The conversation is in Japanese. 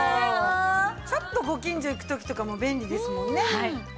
ちょっとご近所行く時とかも便利ですもんね。